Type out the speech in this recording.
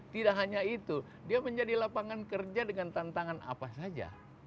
tidak hanya itu dia menjadi lapangan kerja dengan tantangan apa saja